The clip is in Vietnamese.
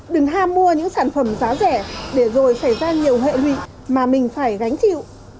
đừng ham mua những sản phẩm giá rẻ để rồi xảy ra nhiều hệ lụy mà mình phải gánh chịu